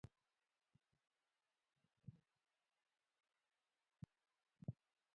ترهګر د خپلو ناوړو اهدافو لپاره بې ګناه کسان وژني.